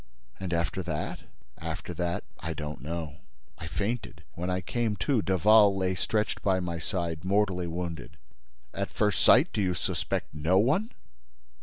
"And after that?—" "After that, I don't know—I fainted. When I came to, Daval lay stretched by my side, mortally wounded." "At first sight, do you suspect no one?"